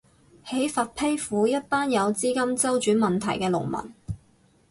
喺佛丕府，一班有資金周轉問題嘅農民